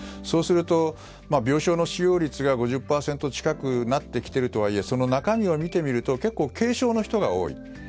そうすると病床の使用率が５０％近くなってきているとはいえその中身を見てみると結構、軽症の人が多い。